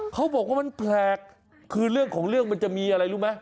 เขาบอกว่ามันแปลกคือเรื่องของเรื่องมันจะมีอะไรรู้ไหม